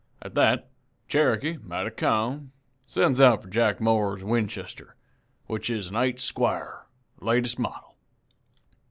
At that Cherokee, mighty ca'm, sends out for Jack Moore's Winchester, which is an 'eight squar',' latest model.